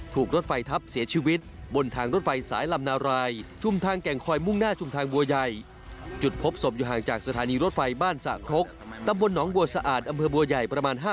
ถูกรถไฟทับเสียชีวิตบนทางรถไฟสายลำนาลาย